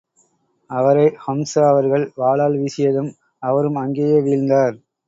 அவரை ஹம்ஸா அவர்கள் வாளால் வீசியதும், அவரும் அங்கேயே வீழ்ந்தார்.